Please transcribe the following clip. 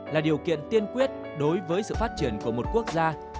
là điều kiện tiên quyết đối với sự phát triển của một quốc gia